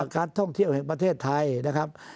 การท่องเที่ยวแห่งประเทศไทยนะครับ